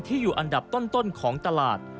อยู่อันดับต้นของตลาด